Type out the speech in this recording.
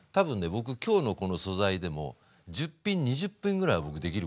僕今日のこの素材でも１０品２０品ぐらいは僕できるかな。